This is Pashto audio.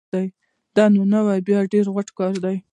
دا نو بیا ډېر غټ کار ده